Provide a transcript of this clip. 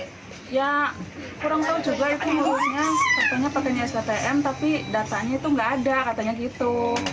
katanya pakai sktm tapi datanya itu nggak ada katanya gitu